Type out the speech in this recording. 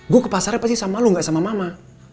gue ke pasarnya pasti sama lo gak sama mama